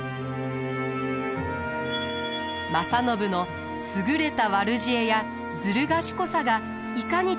正信の優れた悪知恵やずる賢さがいかに大切か